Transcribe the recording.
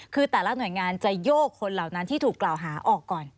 คือแต่ละหน่วยงานจะโยกคนเหล่านั้นที่ถูกกล่าวหาออกก่อน